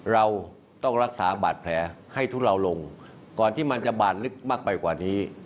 เราต้องรักษาบาดแผลให้ทุเลาลงก่อนที่มันจะบานลึกมากไปกว่านี้